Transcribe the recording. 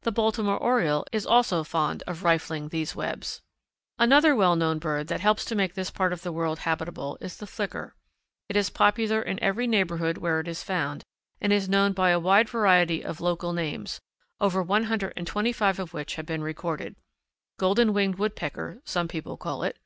The Baltimore Oriole also is fond of rifling these webs. Another well known bird that helps to make this part of the world habitable is the Flicker. It is popular in every neighbourhood where it is found and is known by a wide variety of local names, over one hundred and twenty five of which have been recorded. Golden winged Woodpecker some people call it.